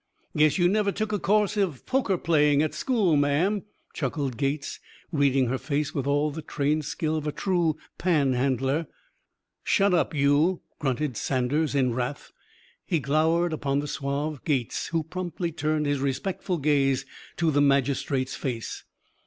"Guess you never took a course of poker playing, at school, ma'am," chuckled Gates, reading her face with all the trained skill of a true panhandler. "Shut up, you!" grunted Saunders in wrath. He glowered upon the suave Gates, who promptly turned his respectful gaze to the magistrate's face.